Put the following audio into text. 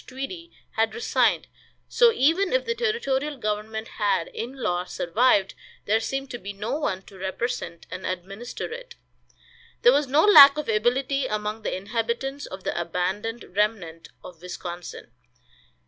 Tweedy, had resigned; so, even if the territorial government had, in law, survived, there seemed to be no one to represent and administer it. There was no lack of ability among the inhabitants of the abandoned remnant of Wisconsin.